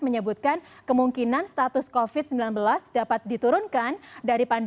menyebutkan kemungkinan status covid sembilan belas dapat diturunkan